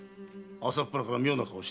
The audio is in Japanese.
朝っぱらから妙な顔して。